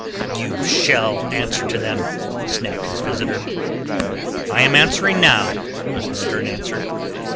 "You shall answer to them," snapped his visitor. "I am answering now," was the stern answer.